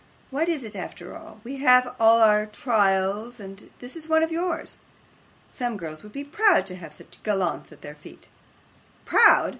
What is it after all? We have all our trials, and this is one of yours. Some girls would be proud to have such gallants at their feet.' 'Proud!